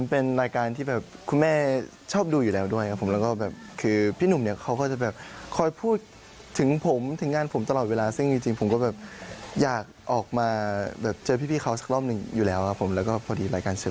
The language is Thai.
โปรดติดตามตอนต่อไป